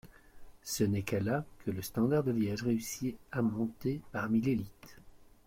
Ce n'est qu'à la que le Standard de Liège réussit à monter parmi l'élite.